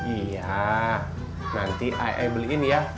iya nanti ai ai beliin ya